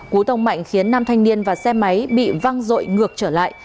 cú tông mạnh khiến nam thanh niên và xe máy bị văng rội ngược trở lại